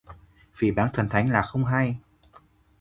Phỉ báng Thánh Thần là không hay